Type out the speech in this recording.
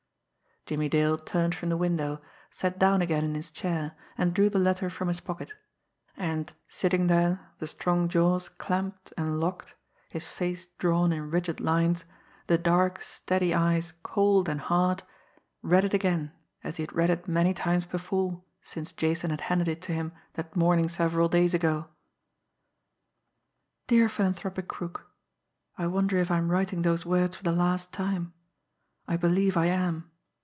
Jimmie Dale turned from the window, sat down again in his chair, and drew the letter from his pocket and, sitting there, the strong jaws clamped and locked, his face drawn in rigid lines, the dark, steady eyes cold and hard, read it again, as he had read it many times before since Jason had handed it to him that morning several days ago: "Dear Philanthropic Crook: I wonder if I am writing those words for the last time? I believe I am.